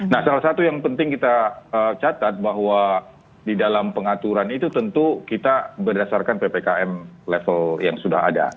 nah salah satu yang penting kita catat bahwa di dalam pengaturan itu tentu kita berdasarkan ppkm level yang sudah ada